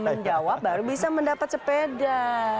dan anda menjawab baru bisa mendapat sepeda